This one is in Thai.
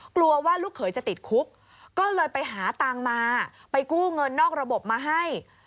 กลัวว่าลูกเขยจะติดคุกก็เลยไปหาตังค์มาไปกู้เงินนอกระบบมาให้